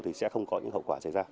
thì sẽ không có những hậu quả xảy ra